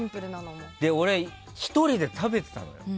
俺、１人で食べてたのよ。